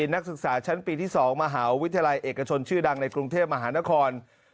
นักศึกษาชั้นปีที่๒มหาวิทยาลัยเอกชนชื่อดังในกรุงเทพมหานคร